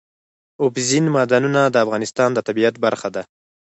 اوبزین معدنونه د افغانستان د طبیعت برخه ده.